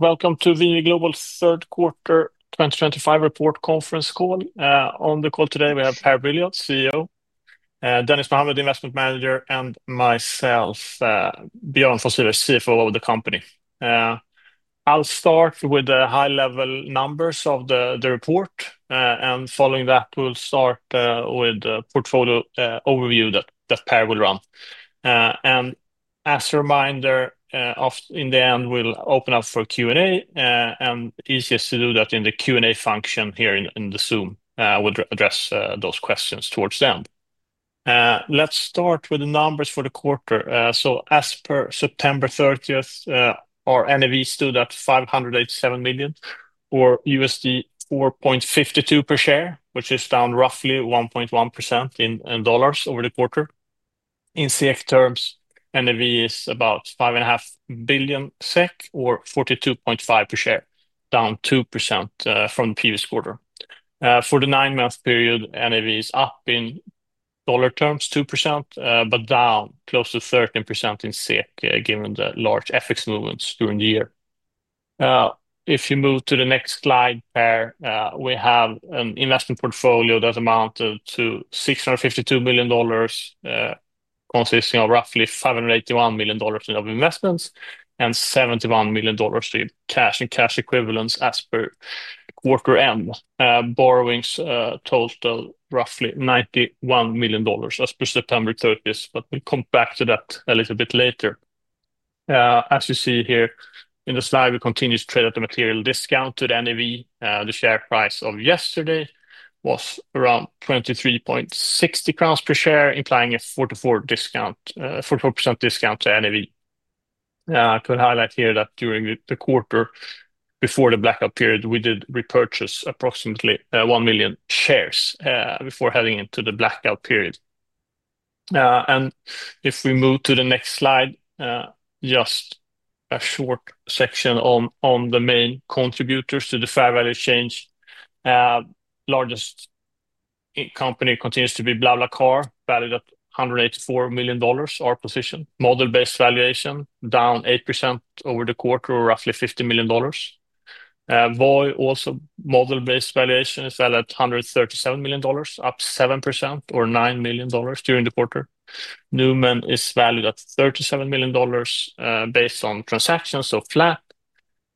Welcome to VNV Global's third quarter 2025 report conference call. On the call today, we have Per Brilioth, CEO, Dennis Mohammad, Investment Manager, and myself, Björn von Sivers, CFO of the company. I'll start with the high-level numbers of the report. Following that, we'll start with the portfolio overview that Per will run. As a reminder, in the end, we'll open up for Q&A, and easiest to do that in the Q&A function here in Zoom. We'll address those questions towards the end. Let's start with the numbers for the quarter. As per September 30th, our NAV stood at $587 million or $4.52 per share, which is down roughly 1.1% in dollars over the quarter. In SEK terms, NAV is about 5.5 billion SEK or 42.5 per share, down 2% from the previous quarter. For the nine-month period, NAV is up in dollar terms 2% but down close to 13% in SEK given the large FX movements during the year. If you move to the next slide, Per, we have an investment portfolio that amounted to $652 million, consisting of roughly $581 million in investments and $71 million in cash and cash equivalents as per quarter end. Borrowings totaled roughly $91 million as per September 30th, but we'll come back to that a little bit later. As you see here in the slide, we continue to trade at a material discount to the NAV. The share price of yesterday was around 23.60 crowns per share, implying a 44% discount to NAV. I could highlight here that during the quarter before the blackout period, we did repurchase approximately 1 million shares before heading into the blackout period. If we move to the next slide, just a short section on the main contributors to the fair value change. The largest company continues to be BlaBlaCar, valued at $184 million. Our position, model-based valuation, down 8% over the quarter or roughly $15 million. VOI, also model-based valuation, is valued at $137 million, up 7% or $9 million during the quarter. Numan is valued at $37 million, based on transactions, so flat.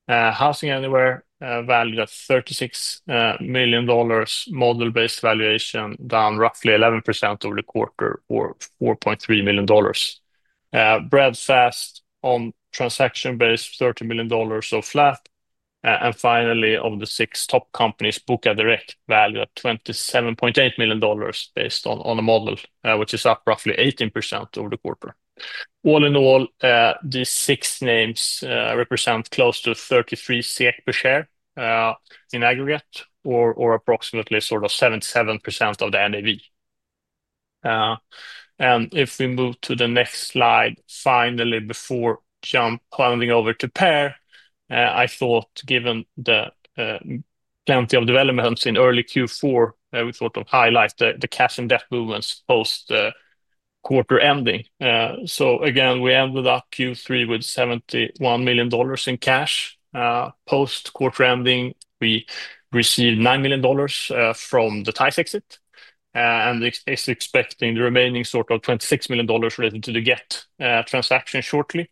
HousingAnywhere, valued at $36 million, model-based valuation, down roughly 11% over the quarter or $4.3 million. Breadfast on transaction-based, $30 million, so flat. Finally, of the six top companies, Bukalapak Direct, valued at $27.8 million based on a model, which is up roughly 18% over the quarter. All in all, these six names represent close to 33 SEK per share in aggregate or approximately 77% of the NAV. If we move to the next slide, finally, before handing over to Per, I thought given the plenty of developments in early Q4, we thought to highlight the cash and debt movements post-quarter ending. Again, we ended up Q3 with $71 million in cash. Post-quarter ending, we received $9 million from the TISE exit and are expecting the remaining sort of $26 million related to the Gett transaction shortly.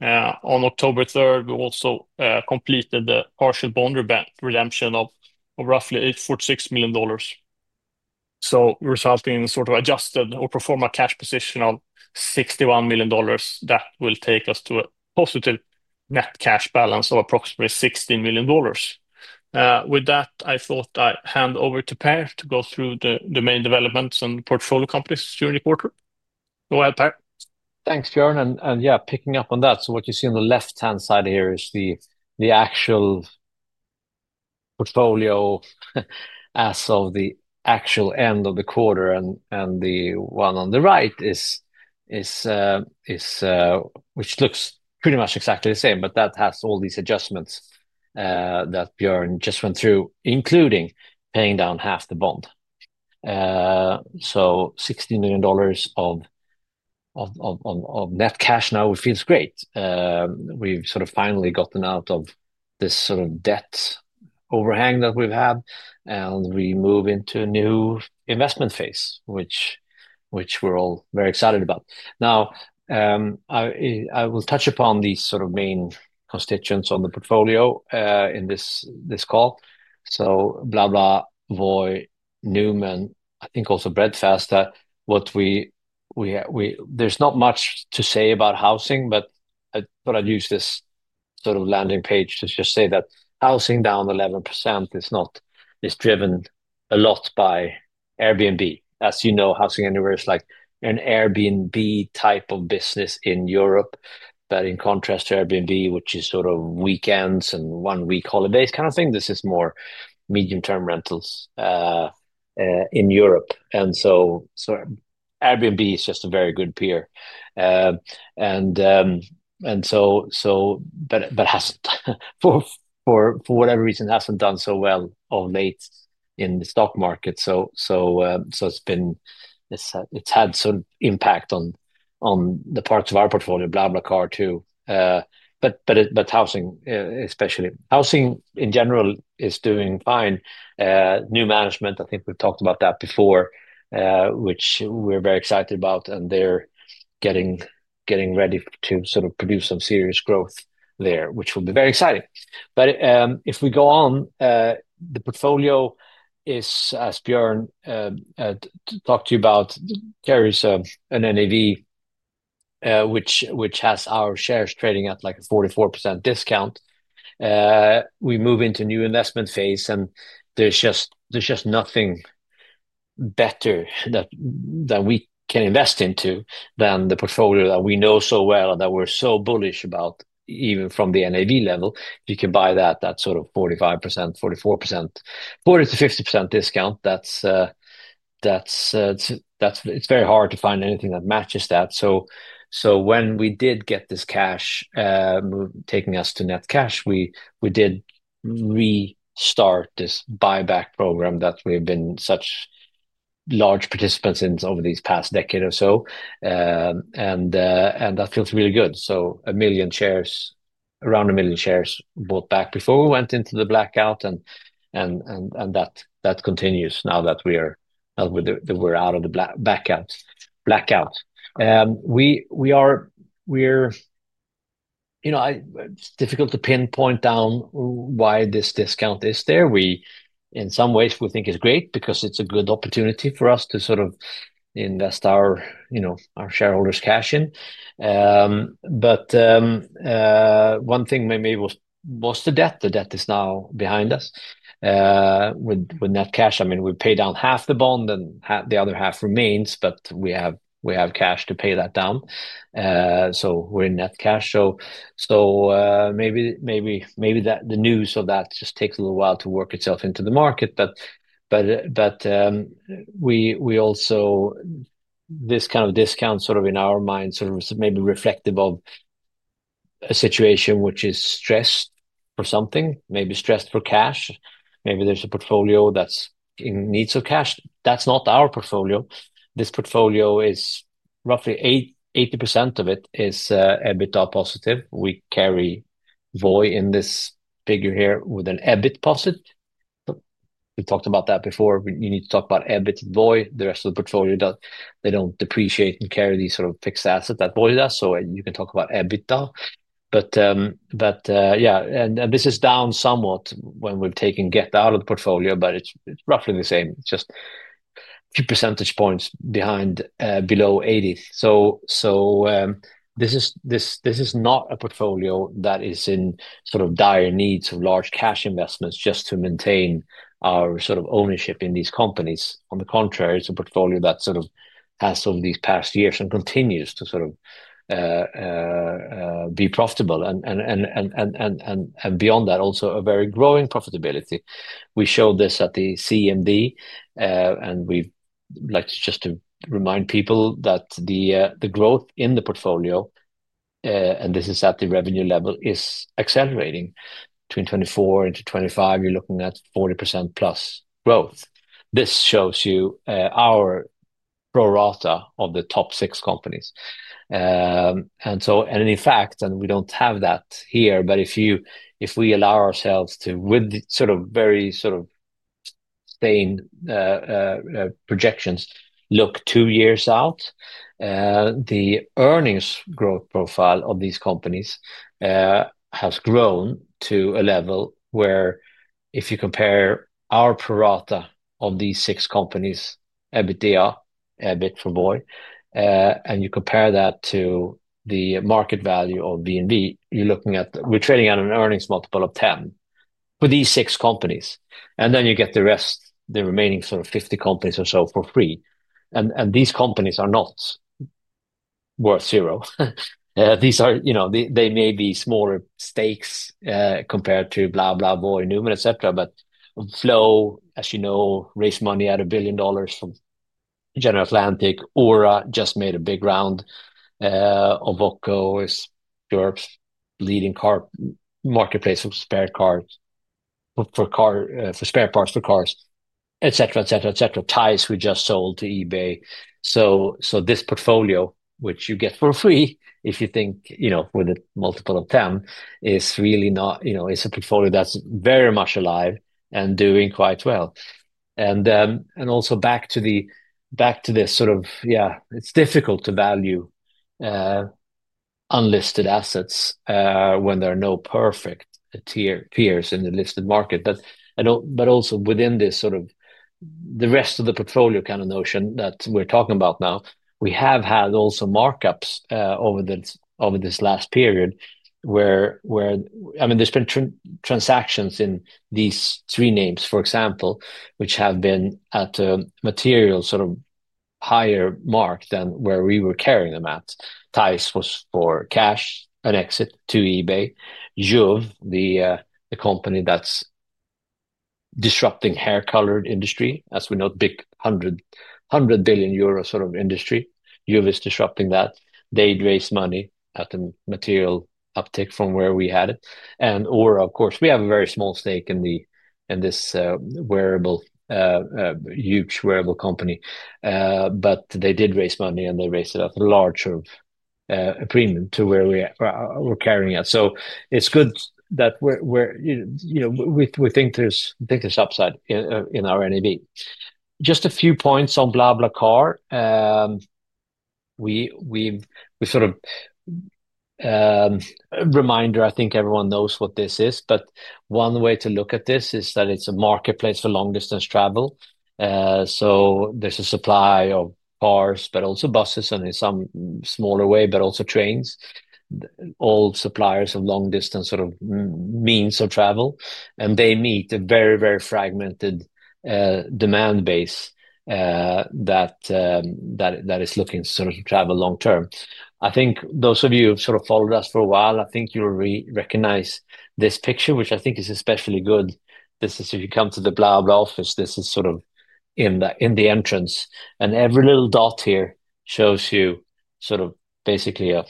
On October 3, we also completed the partial bond redemption of roughly $8.46 million, resulting in a sort of adjusted or pro forma cash position of $61 million that will take us to a positive net cash balance of approximately $16 million. With that, I thought I'd hand over to Per to go through the main developments and portfolio companies during the quarter. Go ahead, Per. Thanks, Björn. Picking up on that, what you see on the left-hand side here is the actual portfolio as of the actual end of the quarter. The one on the right looks pretty much exactly the same, but that has all these adjustments that Björn just went through, including paying down half the bond. $16 million of net cash now, which feels great. We've finally gotten out of this sort of debt overhang that we've had, and we move into a new investment phase, which we're all very excited about. I will touch upon these main constituents on the portfolio in this call. BlaBlaCar, VOI, Numan, I think also Breadfast. There's not much to say about HousingAnywhere, but I'd use this sort of landing page to just say that housing down 11% is driven a lot by Airbnb. As you know, HousingAnywhere is like an Airbnb type of business in Europe, but in contrast to Airbnb, which is sort of weekends and one-week holidays kind of thing, this is more medium-term rentals in Europe. Airbnb is just a very good peer, but for whatever reason, hasn't done so well of late in the stock market. It's had some impact on the parts of our portfolio, BlaBlaCar too, but housing especially. Housing in general is doing fine. New management, I think we've talked about that before, which we're very excited about, and they're getting ready to produce some serious growth there, which will be very exciting. The portfolio, as Björn talked to you about, carries an NAV, which has our shares trading at like a 44% discount. We move into a new investment phase, and there's just nothing better that we can invest into than the portfolio that we know so well and that we're so bullish about, even from the NAV level. If you can buy that at sort of 45%, 44%, 40%-50% discount, it's very hard to find anything that matches that. When we did get this cash, taking us to net cash, we did restart this buyback program that we've been such large participants in over these past decade or so, and that feels really good. A million shares, around a million shares bought back before we went into the blackout, and that continues now that we're out of the blackout. It's difficult to pinpoint down why this discount is there. In some ways, we think it's great because it's a good opportunity for us to invest our shareholders' cash in. One thing maybe was the debt. The debt is now behind us, with net cash. I mean, we pay down half the bond and the other half remains, but we have cash to pay that down, so we're in net cash. Maybe the news of that just takes a little while to work itself into the market. We also think this kind of discount in our minds may be reflective of a situation which is stressed for something, maybe stressed for cash. Maybe there's a portfolio that's in need of cash. That's not our portfolio. This portfolio is roughly 80% of it is EBITDA positive. We carry VOI in this figure here with an EBIT positive. We talked about that before. You need to talk about EBIT and VOI. The rest of the portfolio does not depreciate and carry these fixed assets that VOI does, so you can talk about EBITDA. This is down somewhat when we've taken Gett out of the portfolio, but it's roughly the same. It's just a few percentage points below 80. This is not a portfolio that is in dire need of large cash investments just to maintain our ownership in these companies. On the contrary, it's a portfolio that over these past years and continues to be profitable, and beyond that, also a very growing profitability. We showed this at the CMB, and we'd like to just remind people that the growth in the portfolio, and this is at the revenue level, is accelerating. Between 2024 and 2025, you're looking at 40%+ growth. This shows you our pro rata of the top six companies. In fact, and we don't have that here, but if we allow ourselves to, with the very sustained projections, look two years out, the earnings growth profile of these companies has grown to a level where if you compare our pro rata of these six companies' EBITDA, EBIT for VOI, and you compare that to the market value of VNV Global, you're looking at trading at an earnings multiple of 10 for these six companies. Then you get the rest, the remaining 50 companies or so, for free. These companies are not worth zero. These are, you know, they may be smaller stakes compared to BlaBlaCar, VOI, Numan, et cetera, but Flow, as you know, raised money at $1 billion from General Atlantic. Aura just made a big round. Ovoco is Europe's leading car marketplace of spare parts for cars, et cetera, et cetera, et cetera. TISE, we just sold to eBay. This portfolio, which you get for free if you think, you know, with a multiple of 10, is really not, you know, it's a portfolio that's very much alive and doing quite well. Also back to this sort of, yeah, it's difficult to value unlisted assets when there are no perfect peers in the listed market. Within this sort of the rest of the portfolio kind of notion that we're talking about now, we have had also markups over this last period where, I mean, there's been transactions in these three names, for example, which have been at a material sort of higher mark than where we were carrying them at. TISE was for cash and exit to eBay. Juv, the company that's disrupting the hair color industry, as we know, big 100 billion euro sort of industry. Juv is disrupting that. They'd raised money at a material uptick from where we had it. Aura, of course, we have a very small stake in this wearable, huge wearable company, but they did raise money and they raised it at a large sort of premium to where we were carrying it. It's good that we're, you know, we think there's upside in our NAV. Just a few points on BlaBlaCar. We sort of, a reminder, I think everyone knows what this is, but one way to look at this is that it's a marketplace for long-distance travel. There's a supply of cars, but also buses, and in some smaller way, but also trains. All suppliers of long-distance sort of means of travel. They meet a very, very fragmented demand base that is looking to sort of travel long-term. I think those of you who have sort of followed us for a while, I think you'll recognize this picture, which I think is especially good. This is if you come to the BlaBlaCar office, this is sort of in the entrance. Every little dot here shows you basically a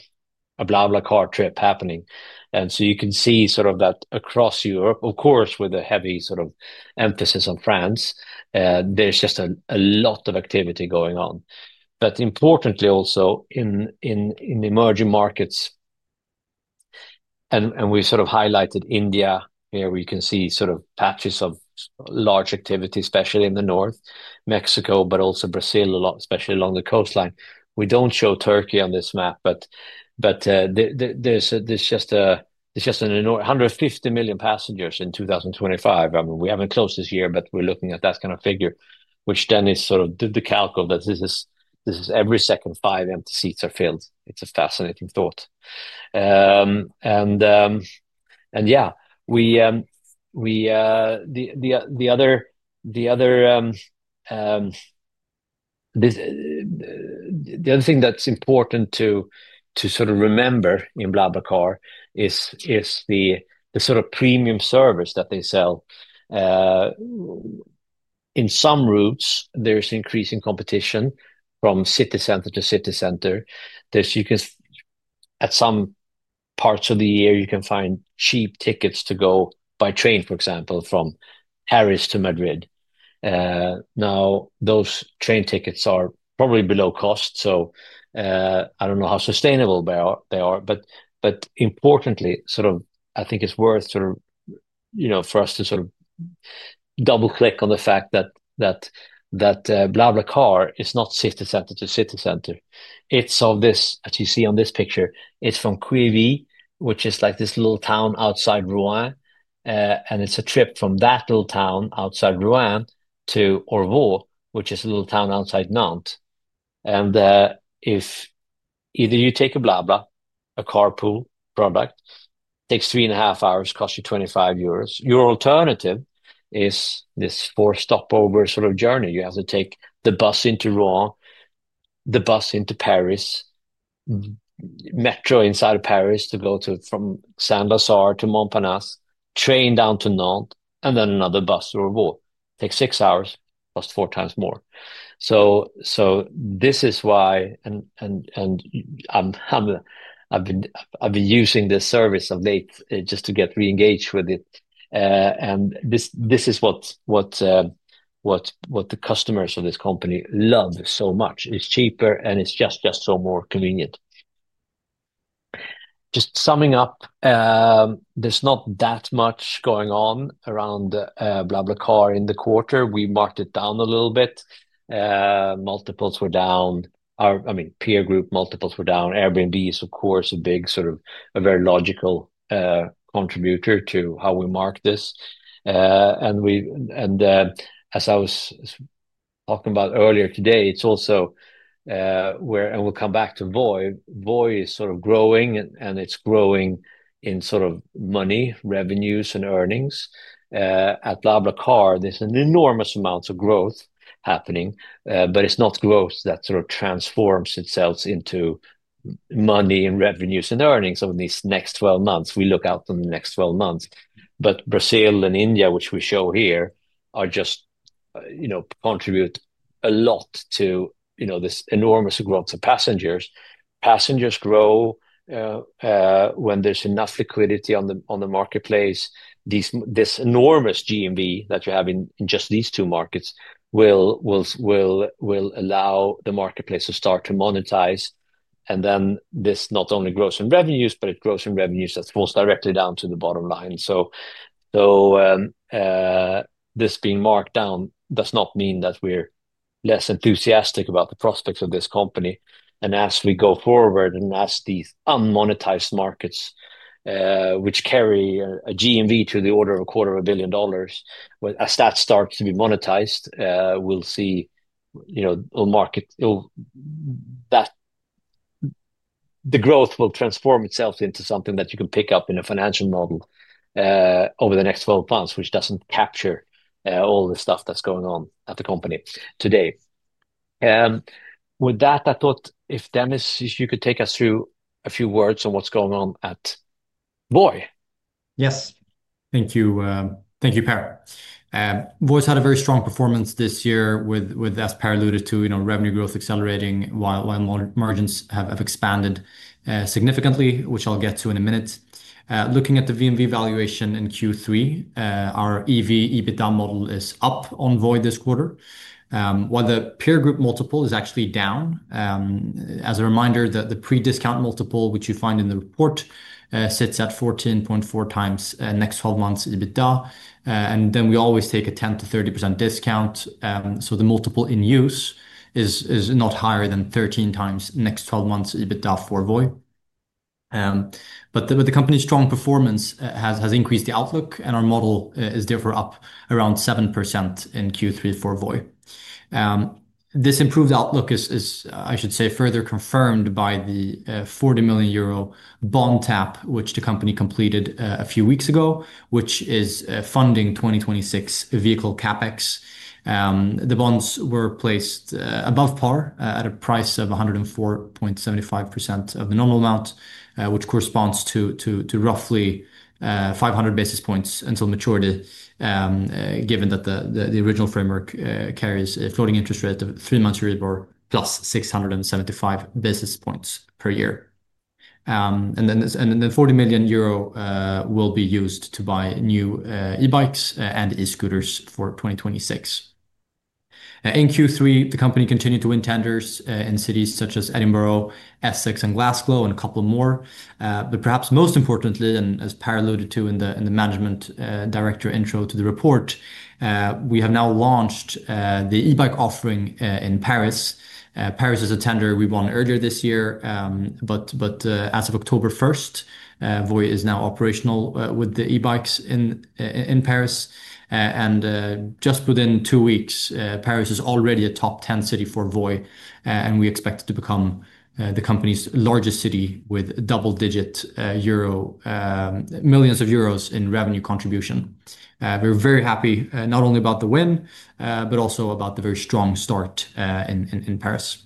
BlaBlaCar trip happening. You can see that across Europe, of course, with a heavy sort of emphasis on France, there's just a lot of activity going on. Importantly, also in the emerging markets, we've sort of highlighted India here, where you can see patches of large activity, especially in the north, Mexico, but also Brazil, especially along the coastline. We don't show Turkey on this map, but there's just 150 million passengers in 2025. I mean, we haven't closed this year, but we're looking at that kind of figure, which then is sort of the calc of that this is every second five empty seats are filled. It's a fascinating thought. The other thing that's important to remember in BlaBlaCar is the sort of premium service that they sell. In some routes, there's increasing competition from city center to city center. At some parts of the year, you can find cheap tickets to go by train, for example, from Paris to Madrid. Now, those train tickets are probably below cost. I don't know how sustainable they are, but I think it's worth, for us, to double-click on the fact that BlaBlaCar is not city center to city center. As you see on this picture, it's from [Cricque], which is this little town outside Rouen. It's a trip from that little town outside Rouen to Orvault, which is a little town outside Nantes. If you take a BlaBlaCar carpool product, it takes three and a half hours, costs you 25 euros. Your alternative is this four-stopover journey. You have to take the bus into Rouen, the bus into Paris, Metro inside of Paris to go from Saint-Lazare to Montparnasse, train down to Nantes, and then another bus to Orvault. It takes six hours, costs four times more. This is why I've been using this service of late just to get re-engaged with it. This is what the customers of this company love so much. It's cheaper and it's just so much more convenient. Just summing up, there's not that much going on around BlaBlaCar in the quarter. We marked it down a little bit. Multiples were down. Our peer group multiples were down. Airbnb is, of course, a very logical contributor to how we mark this. As I was talking about earlier today, it's also where, and we'll come back to VOI. VOI is growing and it's growing in money, revenues, and earnings. At BlaBlaCar, there's an enormous amount of growth happening, but it's not growth that transforms itself into money and revenues and earnings over these next 12 months. We look out in the next 12 months. Brazil and India, which we show here, contribute a lot to this enormous growth of passengers. Passengers grow when there's enough liquidity on the marketplace. This enormous GMV that you have in just these two markets will allow the marketplace to start to monetize. This not only grows in revenues, but it grows in revenues that fall directly down to the bottom line. This being marked down does not mean that we're less enthusiastic about the prospects of this company. As we go forward and as these unmonetized markets, which carry a GMV to the order of a quarter of a billion dollars, as that starts to be monetized, we'll see the market, the growth will transform itself into something that you can pick up in a financial model over the next 12 months, which doesn't capture all the stuff that's going on at the company today. With that, I thought if Dennis, if you could take us through a few words on what's going on at VOI. Yes. Thank you. Thank you, Per. VOI's had a very strong performance this year with, as Per alluded to, you know, revenue growth accelerating while margins have expanded significantly, which I'll get to in a minute. Looking at the VNV valuation in Q3, our EV/EBITDA model is up on VOI this quarter, while the peer group multiple is actually down. As a reminder, the pre-discount multiple, which you find in the report, sits at 14.4 times next 12 months EBITDA, and then we always take a 10%-30% discount, so the multiple in use is not higher than 13 times next 12 months EBITDA for VOI. The company's strong performance has increased the outlook, and our model is therefore up around 7% in Q3 for VOI. This improved outlook is, I should say, further confirmed by the 40 million euro bond tap, which the company completed a few weeks ago, which is funding 2026 vehicle CAPEX. The bonds were placed above par at a price of 104.75% of the normal amount, which corresponds to roughly 500 basis points until maturity, given that the original framework carries a floating interest rate of three months' Euribor plus 675 basis points per year. The 40 million euro will be used to buy new e-bikes and e-scooters for 2026. In Q3, the company continued to win tenders in cities such as Edinburgh, Essex, and Glasgow, and a couple more. Perhaps most importantly, and as Per alluded to in the management director intro to the report, we have now launched the e-bike offering in Paris. Paris is a tender we won earlier this year, but as of October 1st, VOI is now operational with the e-bikes in Paris. Just within two weeks, Paris is already a top 10 city for VOI, and we expect it to become the company's largest city with double-digit millions of euros in revenue contribution. We're very happy not only about the win, but also about the very strong start in Paris.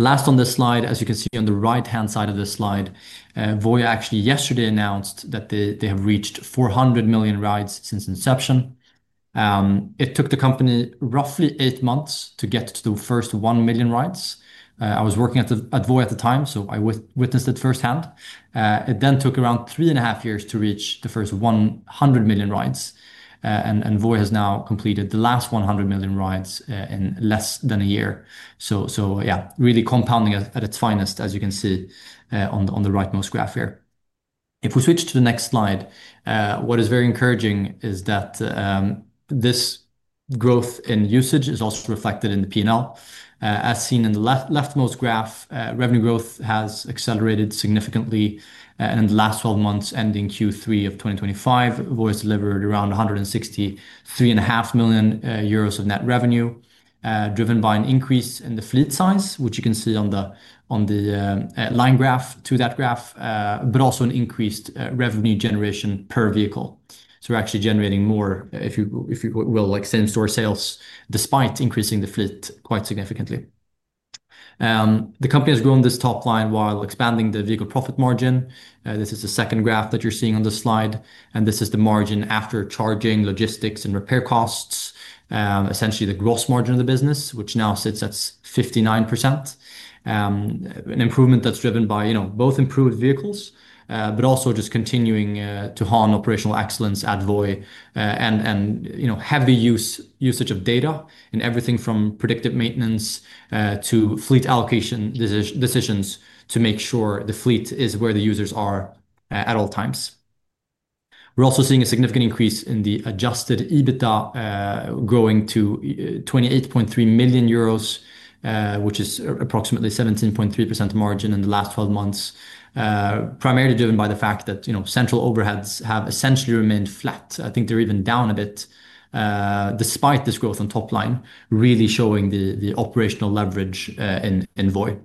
Last on this slide, as you can see on the right-hand side of this slide, VOI actually yesterday announced that they have reached 400 million rides since inception. It took the company roughly eight months to get to the first 1 million rides. I was working at VOI at the time, so I witnessed it firsthand. It then took around three and a half years to reach the first 100 million rides, and VOI has now completed the last 100 million rides in less than a year. Really compounding at its finest, as you can see on the rightmost graph here. If we switch to the next slide, what is very encouraging is that this growth in usage is also reflected in the P&L. As seen in the leftmost graph, revenue growth has accelerated significantly. In the last 12 months, ending Q3 of 2025, VOI has delivered around 160.5 million euros of net revenue, driven by an increase in the fleet size, which you can see on the line graph to that graph, but also an increased revenue generation per vehicle. We're actually generating more, if you will, like same-store sales, despite increasing the fleet quite significantly. The company has grown this top line while expanding the vehicle profit margin. This is the second graph that you're seeing on this slide. This is the margin after charging, logistics, and repair costs, essentially the gross margin of the business, which now sits at 59%. An improvement that's driven by both improved vehicles, but also just continuing to hone operational excellence at VOI, and heavy usage of data in everything from predictive maintenance to fleet allocation decisions to make sure the fleet is where the users are at all times. We're also seeing a significant increase in the adjusted EBITDA, growing to 28.3 million euros, which is approximately 17.3% margin in the last 12 months, primarily driven by the fact that central overheads have essentially remained flat. I think they're even down a bit, despite this growth on top line, really showing the operational leverage in VOI.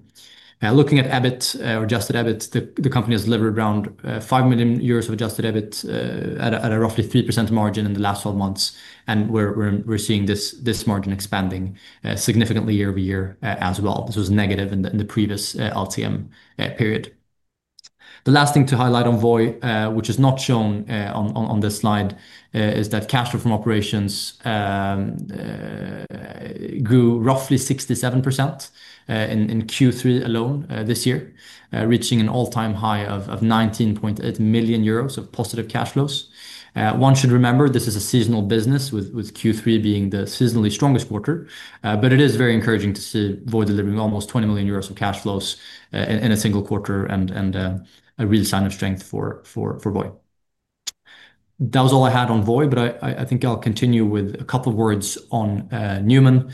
Looking at EBIT, or adjusted EBIT, the company has delivered around 5 million euros of adjusted EBIT, at a roughly 3% margin in the last 12 months. We're seeing this margin expanding significantly year-over-year as well. This was negative in the previous LTM period. The last thing to highlight on VOI, which is not shown on this slide, is that cash flow from operations grew roughly 67% in Q3 alone this year, reaching an all-time high of 19.8 million euros of positive cash flows. One should remember this is a seasonal business with Q3 being the seasonally strongest quarter, but it is very encouraging to see VOI delivering almost 20 million euros of cash flows in a single quarter and a real sign of strength for VOI. That was all I had on VOI, but I think I'll continue with a couple of words on Numan.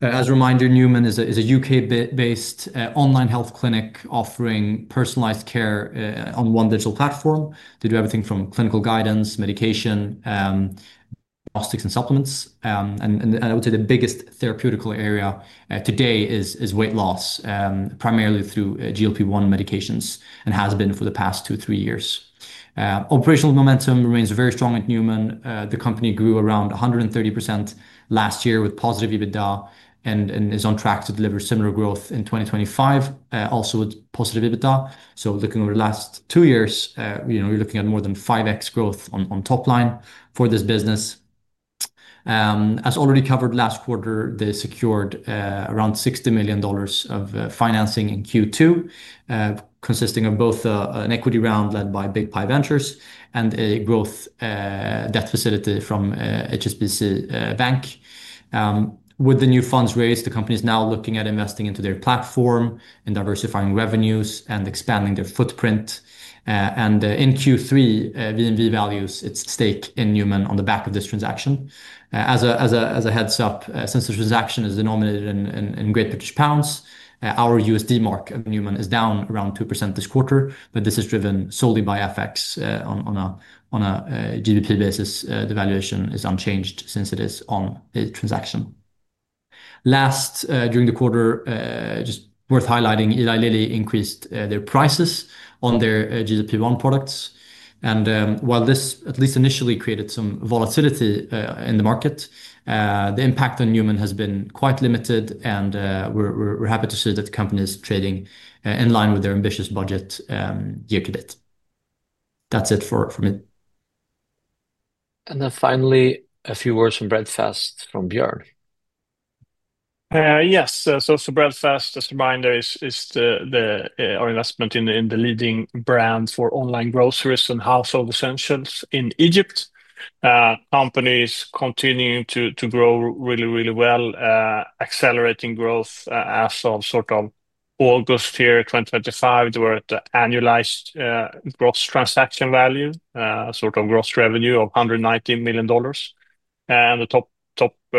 As a reminder, Numan is a U.K.-based digital health platform offering personalized care on one digital platform. They do everything from clinical guidance, medication, and supplements. I would say the biggest therapeutic area today is weight loss, primarily through GLP-1 medications and has been for the past two to three years. Operational momentum remains very strong at Numan. The company grew around 130% last year with positive EBITDA and is on track to deliver similar growth in 2025, also with positive EBITDA. Looking over the last two years, you're looking at more than 5x growth on top line for this business. As already covered last quarter, they secured around $60 million of financing in Q2, consisting of both an equity round led by Big Pie Ventures and a growth debt facility from HSBC Bank. With the new funds raised, the company is now looking at investing into their platform and diversifying revenues and expanding their footprint. In Q3, VNV Global values its stake in Numan on the back of this transaction. As a heads up, since the transaction is denominated in Great British Pounds, our USD mark of Numan is down around 2% this quarter, but this is driven solely by FX movements. On a GBP basis, the valuation is unchanged since it is on a transaction. Last, during the quarter, just worth highlighting, Eli Lilly increased their prices on their GLP-1 products. While this at least initially created some volatility in the market, the impact on Numan has been quite limited, and we're happy to see that the company is trading in line with their ambitious budget year to date. That's it for me. Finally, a few words from Breadfast from Björn. Yes, so Breadfast, as a reminder, is our investment in the leading brand for online groceries and household essentials in Egypt. The company is continuing to grow really, really well, accelerating growth as of sort of August here, 2025. They were at the annualized gross transaction value, sort of gross revenue of $119 million. The top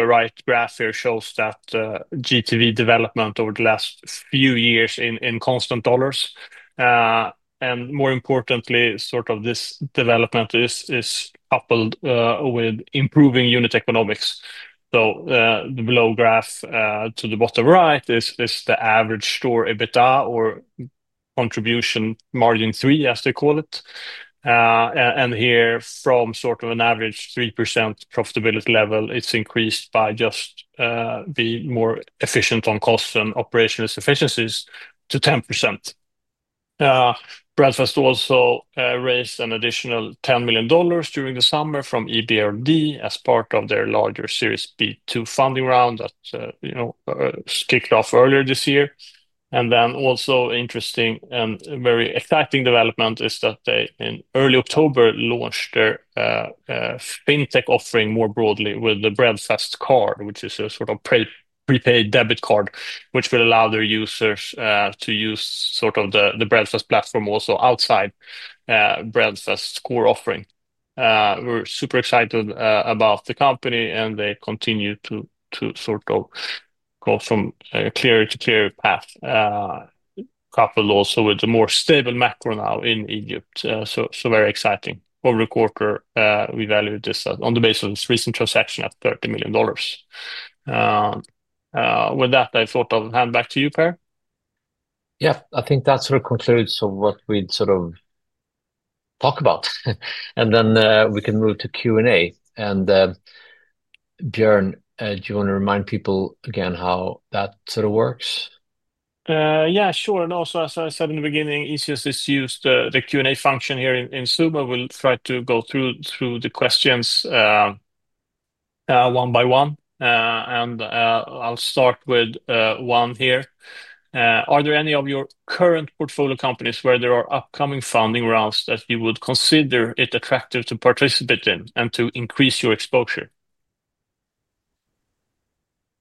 right graph here shows that GTV development over the last few years in constant dollars. More importantly, this development is coupled with improving unit economics. The below graph to the bottom right is the average store EBITDA or contribution margin three, as they call it. Here from sort of an average 3% profitability level, it's increased by just the more efficient on costs and operational efficiencies to 10%. Breadfast also raised an additional $10 million during the summer from EBRD as part of their larger Series B2 funding round that, you know, kicked off earlier this year. Also, an interesting and very exciting development is that they in early October launched their fintech offering more broadly with the Breadfast Card, which is a sort of prepaid debit card, which will allow their users to use the Breadfast platform also outside Breadfast's core offering. We're super excited about the company, and they continue to sort of go from a clearer to clearer path, coupled also with a more stable macro now in Egypt. Very exciting. Over the quarter, we valued this on the basis of this recent transaction at $30 million. With that, I thought I'd hand back to you, Per. Yeah, I think that sort of concludes what we'd sort of talk about. We can move to Q&A. Björn, do you want to remind people again how that sort of works? Yeah, sure. As I said in the beginning, please use the Q&A function here in Zoom. I will try to go through the questions one by one. I'll start with one here. Are there any of your current portfolio companies where there are upcoming funding rounds that you would consider it attractive to participate in and to increase your exposure?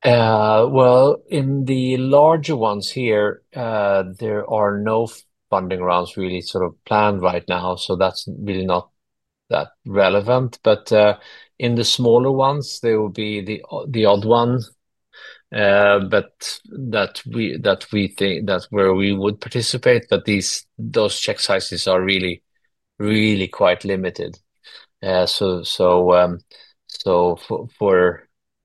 In the larger ones here, there are no funding rounds really sort of planned right now. That's really not that relevant. In the smaller ones, there will be the odd one. We think that's where we would participate, but those check sizes are really, really quite limited. For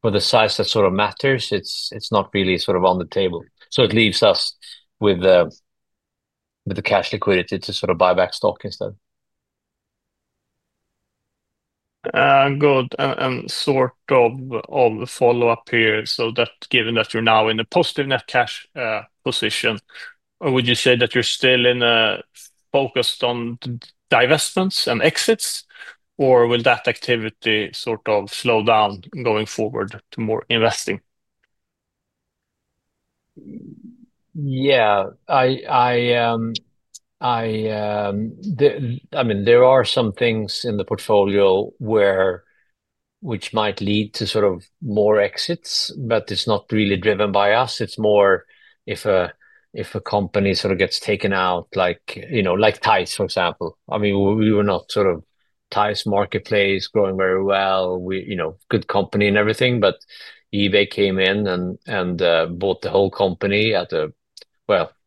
the size that sort of matters, it's not really sort of on the table. It leaves us with the cash liquidity to sort of buyback stock instead. Given that you're now in a positive net cash position, would you say that you're still focused on divestments and exits, or will that activity slow down going forward to more investing? Yeah. I mean, there are some things in the portfolio which might lead to more exits, but it's not really driven by us. It's more if a company gets taken out, like, you know, like TISE, for example. I mean, we were not sort of TISE marketplace growing very well. We, you know, good company and everything. eBay came in and bought the whole company at a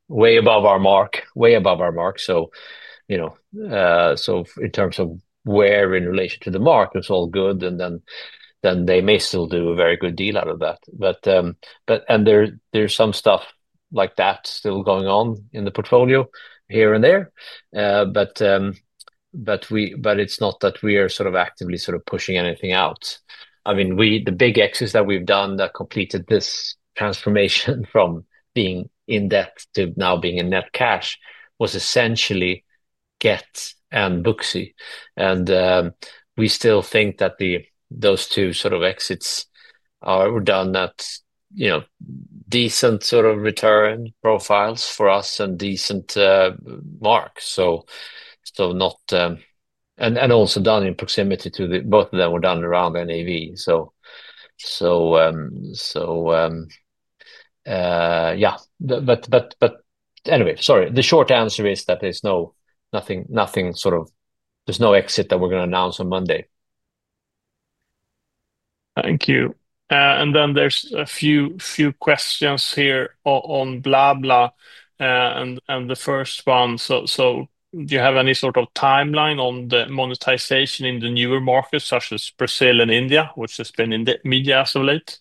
way above our mark, way above our mark. In terms of where in relation to the mark, it was all good. They may still do a very good deal out of that. There's some stuff like that still going on in the portfolio here and there, but it's not that we are actively pushing anything out. The big exits that we've done that completed this transformation from being in debt to now being in net cash was essentially Gett and Boozy. We still think that those two exits were done at decent return profiles for us and decent marks. Also, both of them were done around NAV. Yeah. Anyway, sorry. The short answer is that there's no exit that we're going to announce on Monday. Thank you. There are a few questions here on BlaBlaCar. The first one, do you have any sort of timeline on the monetization in the newer markets such as Brazil and India, which has been in the media as of late?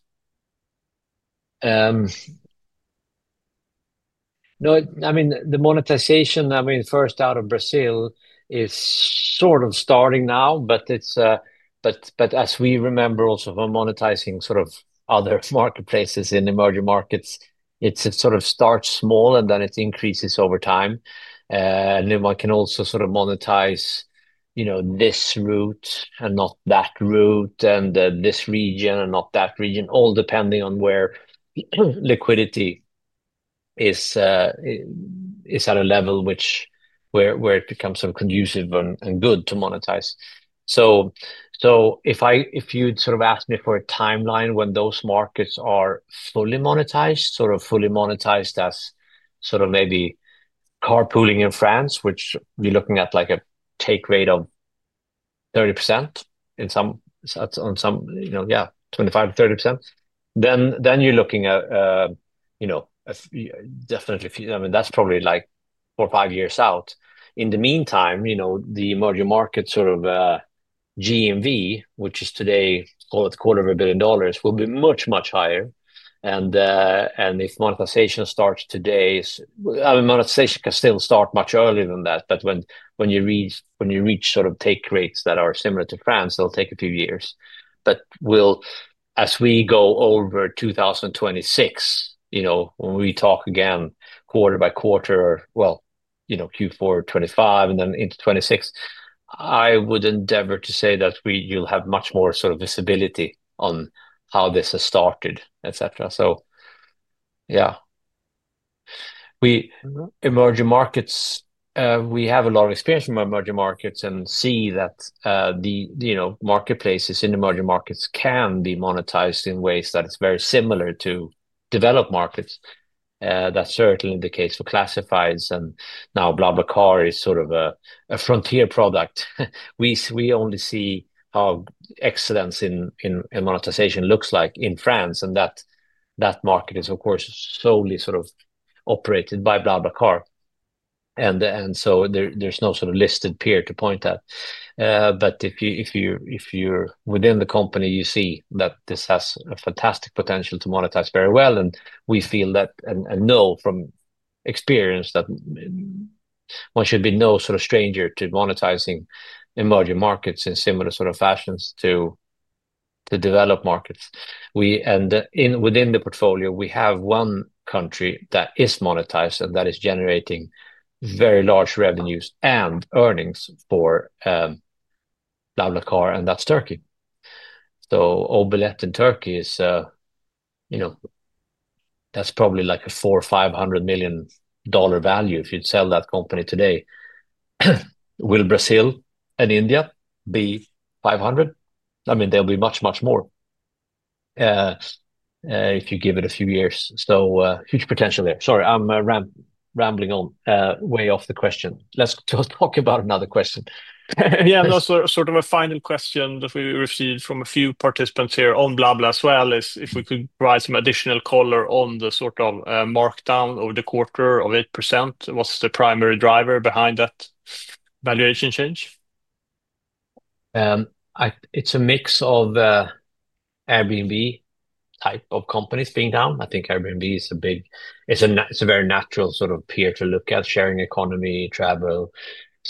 No, I mean, the monetization, first out of Brazil is sort of starting now, but as we remember also from monetizing other marketplaces in emerging markets, it sort of starts small and then it increases over time. One can also monetize this route and not that route and this region and not that region, all depending on where liquidity is at a level where it becomes so conducive and good to monetize. If you'd ask me for a timeline when those markets are fully monetized, sort of fully monetized as maybe carpooling in France, which we're looking at like a take rate of 30% in some, that's on some, yeah, 25%-30%. Then you're looking at, definitely, I mean, that's probably like four or five years out. In the meantime, the emerging market GMV, which is today a quarter of a billion dollars, will be much, much higher. If monetization starts today, monetization can still start much earlier than that. When you reach take rates that are similar to France, it'll take a few years. As we go over 2026, when we talk again quarter by quarter, Q4 2025 and then into 2026, I would endeavor to say that you'll have much more visibility on how this has started, et cetera. We emerging markets, we have a lot of experience from emerging markets and see that marketplaces in emerging markets can be monetized in ways that are very similar to developed markets. That's certainly the case for classifieds. Now BlaBlaCar is sort of a frontier product. We only see how excellence in monetization looks like in France. That market is, of course, solely operated by BlaBlaCar. There's no listed peer to point at. If you're within the company, you see that this has a fantastic potential to monetize very well. We feel that, and know from experience, that one should be no stranger to monetizing emerging markets in similar fashions to developed markets. Within the portfolio, we have one country that is monetized and that is generating very large revenues and earnings for BlaBlaCar, and that's Turkey. So Obilet in Turkey is, that's probably like a $400 million or $500 million value if you'd sell that company today. Will Brazil and India be $500 million? I mean, they'll be much, much more if you give it a few years. Huge potential there. Sorry, I'm rambling on way off the question. Let's talk about another question. Yeah, also sort of a final question that we received from a few participants here on BlaBlaCar as well is if we could provide some additional color on the sort of markdown over the quarter of 8%. What's the primary driver behind that valuation change? It's a mix of Airbnb type of companies being down. I think Airbnb is a big, it's a very natural sort of peer to look at sharing economy, travel.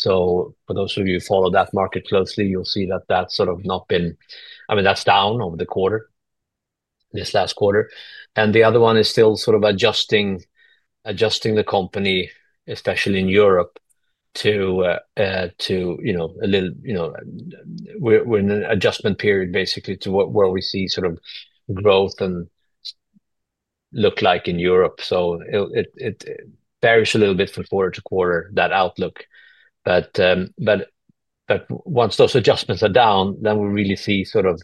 For those of you who follow that market closely, you'll see that that's sort of not been, I mean, that's down over the quarter, this last quarter. The other one is still sort of adjusting the company, especially in Europe, to, you know, a little, you know, we're in an adjustment period basically to where we see sort of growth and look like in Europe. It varies a little bit from quarter-to-quarter, that outlook. Once those adjustments are down, then we really see sort of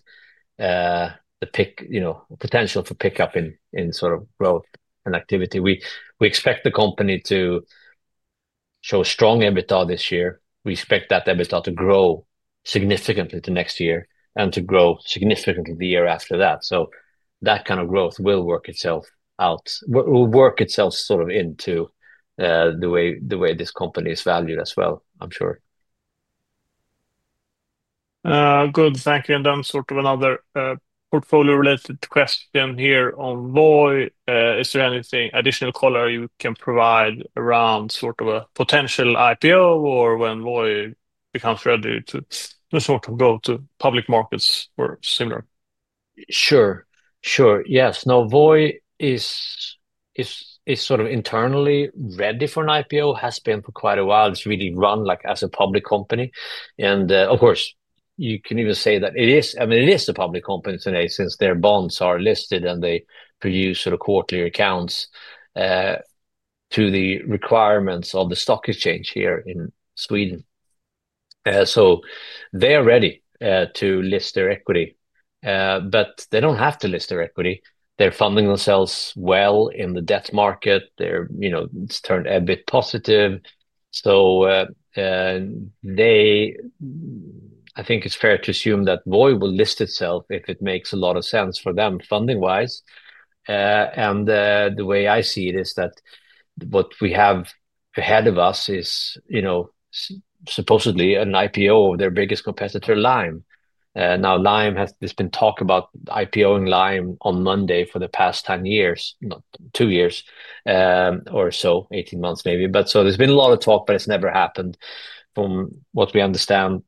the pick, you know, potential for pickup in sort of growth and activity. We expect the company to show strong EBITDA this year. We expect that EBITDA to grow significantly the next year and to grow significantly the year after that. That kind of growth will work itself out, will work itself sort of into the way this company is valued as well, I'm sure. Thank you. Is there any additional color you can provide around a potential IPO or when VOI becomes ready to go to public markets or similar? Sure, sure. Yes. Now VOI is sort of internally ready for an IPO, has been for quite a while. It's really run like a public company. Of course, you can even say that it is, I mean, it is a public company today since their bonds are listed and they produce quarterly accounts to the requirements of the stock exchange here in Sweden. They are ready to list their equity, but they don't have to list their equity. They're funding themselves well in the debt market. It's turned a bit positive. I think it's fair to assume that VOI will list itself if it makes a lot of sense for them funding-wise. The way I see it is that what we have ahead of us is supposedly an IPO of their biggest competitor, Lime. Now Lime has been talked about IPO of lime on Monday for the past 10 years, not two years, or so, 18 months maybe. There's been a lot of talk, but it's never happened. From what we understand,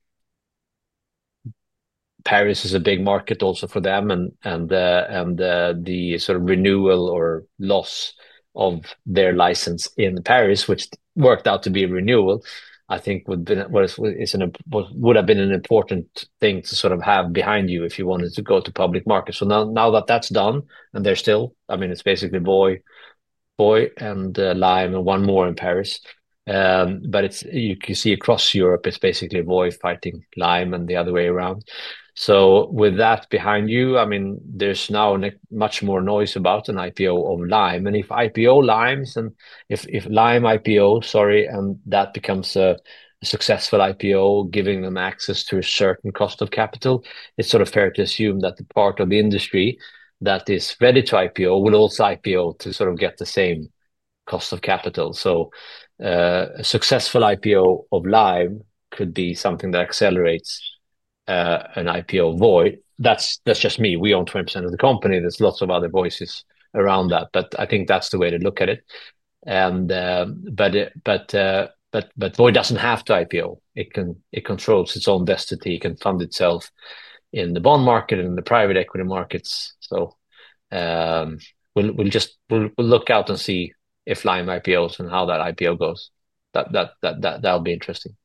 Paris is a big market also for them. The renewal or loss of their license in Paris, which worked out to be a renewal, I think would have been an important thing to have behind you if you wanted to go to public markets. Now that that's done, and they're still, I mean, it's basically VOI and Lime and one more in Paris. You can see across Europe, it's basically VOI fighting Lime and the other way around. With that behind you, there is now much more noise about an IPO of Lime. If Lime IPOs and that becomes a successful IPO, giving them access to a certain cost of capital, it's fair to assume that the part of the industry that is ready to IPO will also IPO to get the same cost of capital. A successful IPO of Lime could be something that accelerates an IPO of VOI. That's just me. We own 20% of the company. There are lots of other voices around that. I think that's the way to look at it. VOI doesn't have to IPO. It controls its own destiny. It can fund itself in the bond market and in the private equity markets. We'll just look out and see if Lime IPOs and how that IPO goes. That'll be interesting.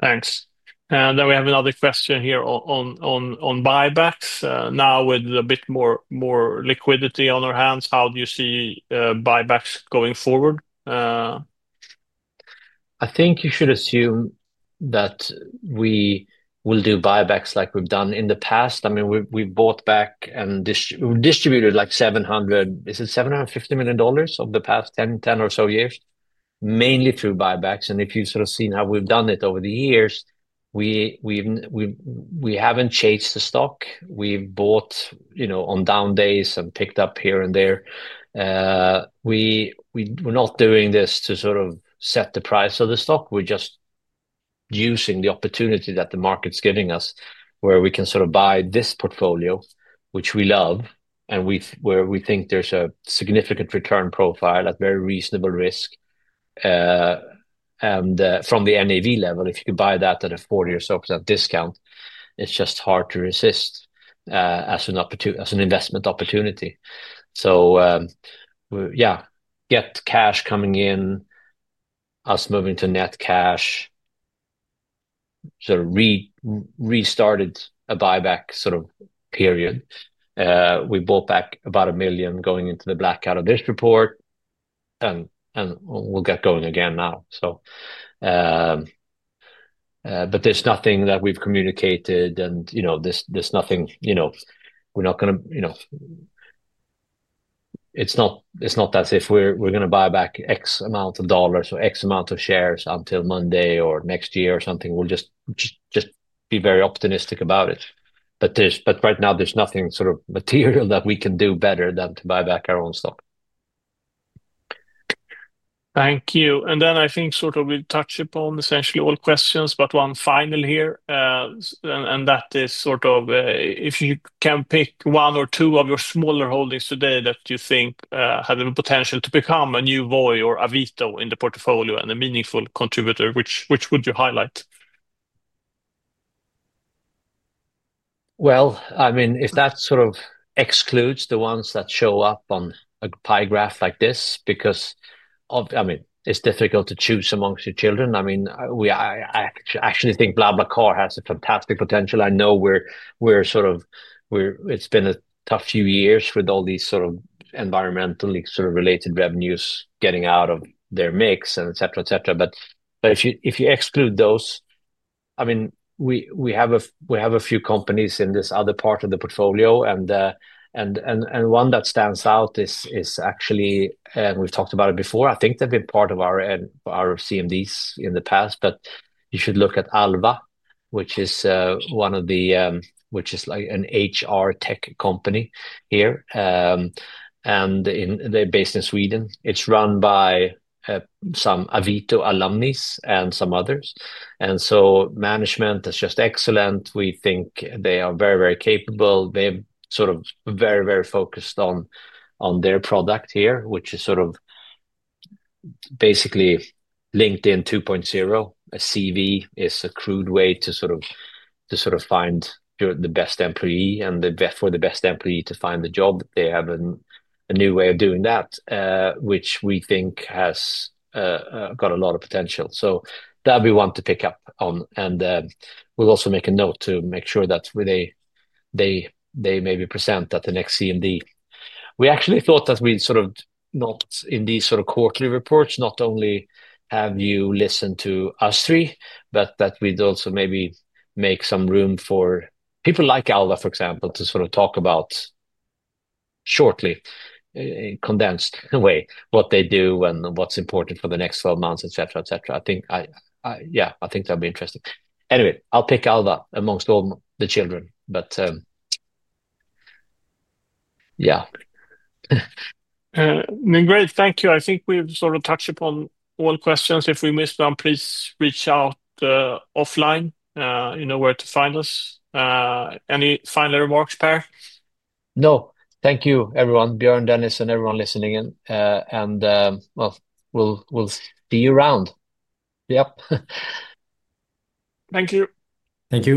Thanks. We have another question here on buybacks. Now with a bit more liquidity on our hands, how do you see buybacks going forward? I think you should assume that we will do buybacks like we've done in the past. I mean, we've bought back and distributed like $750 million over the past 10 or so years, mainly through buybacks. If you've sort of seen how we've done it over the years, we haven't changed the stock. We've bought, you know, on down days and picked up here and there. We're not doing this to sort of set the price of the stock. We're just using the opportunity that the market's giving us where we can sort of buy this portfolio, which we love, and where we think there's a significant return profile at very reasonable risk. From the NAV level, if you could buy that at a 40% or so discount, it's just hard to resist as an investment opportunity. Yeah, get cash coming in, us moving to net cash, sort of restarted a buyback sort of period. We bought back about $1 million going into the blackout of this report, and we'll get going again now. There's nothing that we've communicated, and you know, there's nothing, you know, we're not going to, you know, it's not that if we're going to buy back X amount of dollars or X amount of shares until Monday or next year or something, we'll just be very optimistic about it. Right now, there's nothing sort of material that we can do better than to buy back our own stock. Thank you. I think we touched upon essentially all questions, but one final here. That is if you can pick one or two of your smaller holdings today that you think have the potential to become a new VOI in the portfolio and a meaningful contributor, which would you highlight? If that sort of excludes the ones that show up on a pie graph like this, because it's difficult to choose amongst your children. I mean, we actually think BlaBlaCar has a fantastic potential. I know we're sort of, it's been a tough few years with all these sort of environmentally related revenues getting out of their mix, et cetera, et cetera. If you exclude those, we have a few companies in this other part of the portfolio. One that stands out is actually, and we've talked about it before, I think they've been part of our CMDs in the past. You should look at Alva, which is like an HR tech company here. They're based in Sweden. It's run by some Avito alumnus and some others. Management is just excellent. We think they are very, very capable. They're very, very focused on their product here, which is basically LinkedIn 2.0. A CV is a crude way to sort of find the best employee, and for the best employee to find the job. They have a new way of doing that, which we think has got a lot of potential. That'd be one to pick up on. We'll also make a note to make sure that they maybe present at the next CMD. We actually thought that not in these quarterly reports, not only have you listened to us three, but that we'd also maybe make some room for people like Alva, for example, to talk about shortly, in a condensed way, what they do and what's important for the next 12 months, et cetera, et cetera. I think that'd be interesting. Anyway, I'll pick Alva amongst all the children. Yeah. Great. Thank you. I think we've sort of touched upon all questions. If we missed one, please reach out offline. You know where to find us. Any final remarks, Per? No. Thank you, everyone. Björn, Dennis, and everyone listening in. We'll see you around. Yep. Thank you. Thank you.